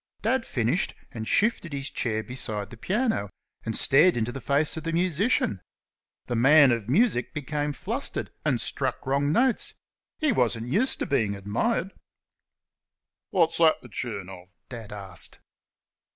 Dad finished, and shifted his chair beside the piano and stared into the face of the musician. The man of music became flustered and struck wrong notes. He wasn't used to being admired. "Wot 's thet th' chune o'?" Dad asked.